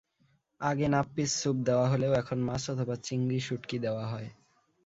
আগে নাপ্পির স্যুপ দেওয়া হলেও এখন মাছ অথবা চিংড়ি শুঁটকি দেওয়া হয়।